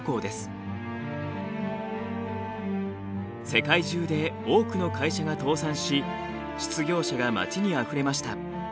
世界中で多くの会社が倒産し失業者が街にあふれました。